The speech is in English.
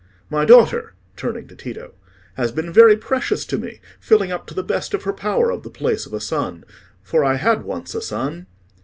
My daughter,"—turning to Tito—"has been very precious to me, filling up to the best of her power the place of a son. For I had once a son..."